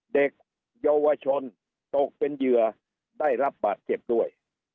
เด็กเยาวชนตกเป็นเหยื่อได้รับบาดเจ็บด้วย